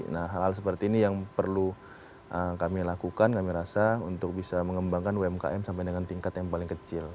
nah hal hal seperti ini yang perlu kami lakukan kami rasa untuk bisa mengembangkan umkm sampai dengan tingkat yang paling kecil